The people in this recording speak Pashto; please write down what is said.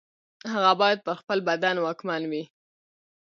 هغه باید پر خپل بدن واکمن وي.